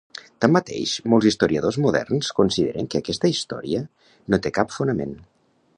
Tanmateix molts historiadors moderns consideren que aquesta història no té cap fonament.